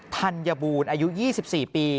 ธัญบูรณ์อายุ๒๔ปี